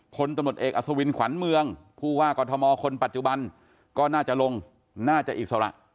พลตำรวจเอกอัศวินขวัญเมืองผู้ว่ากรทมคนปัจจุบันก็น่าจะลงน่าจะอิสระ